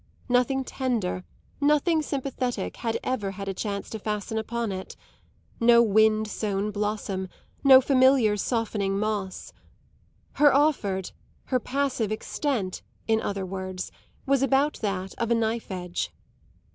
Nothing tender, nothing sympathetic, had ever had a chance to fasten upon it no wind sown blossom, no familiar softening moss. Her offered, her passive extent, in other words, was about that of a knife edge.